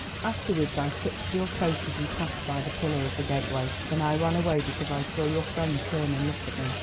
Afterwards I touched your coat as you passed by the pillar of the gateway. Then I ran away because I saw your friend turn and look at me.